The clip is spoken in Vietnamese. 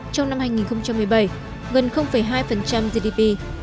trong năm hai nghìn một mươi bảy gần hai gdp